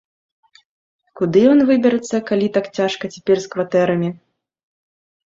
Куды ён выберацца, калі так цяжка цяпер з кватэрамі.